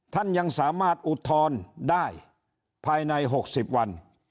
ท่านยังสามารถอุทธรณ์ได้ภายใน๖๐วัน